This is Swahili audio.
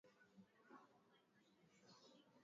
ili iweza kukambiliana na janga hilo ambalo linatokea